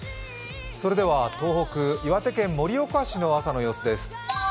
それでは東北、岩手県盛岡市の朝です。